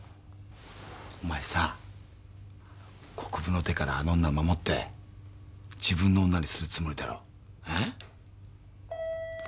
お前さ国府の手からあの女を守って自分の女にするつもりだろ？え？